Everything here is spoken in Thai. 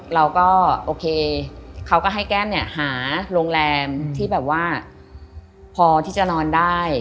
เราก็โอเคเขาก็ให้แก้มเนี่ยหาโรงแรมที่แบบว่าพอที่จะนอนได้